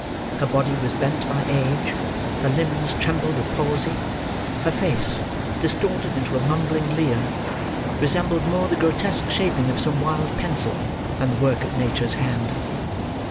Her body was bent by age; her limbs trembled with palsy; her face, distorted into a mumbling leer, resembled more the grotesque shaping of some wild pencil, than the work of Nature's hand.